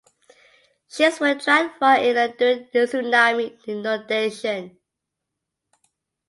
Ships were dragged far inland during the tsunami inundation.